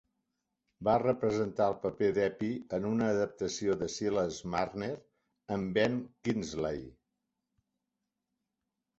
Va representar el paper d'Eppie en una adaptació de "Silas Marner", amb Ben Kingsley.